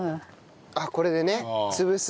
ああこれでね潰す。